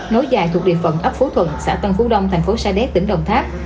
nối dài thuộc địa phận ấp phú thuận xã tân phú đông tp sadec tỉnh đồng tháp